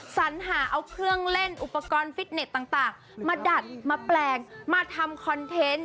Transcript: สัญหาเอาเครื่องเล่นอุปกรณ์ฟิตเน็ตต่างมาดัดมาแปลงมาทำคอนเทนต์